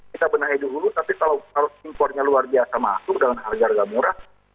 kita benahi di ulu tapi kalau harus impornya luar biasa masuk dalam harga harga murah